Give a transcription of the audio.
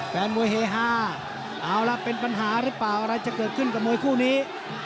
แฟนมวยเฮฮาเอาล่ะเป็นปัญหาหรือเปล่าอะไรจะเกิดขึ้นกับมวยคู่นี้